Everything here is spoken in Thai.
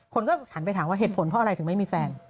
คนก็หันไปถามว่าเหตุผลเพราะอะไรถึงไม่มีแฟน